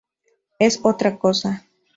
Es otra cosa.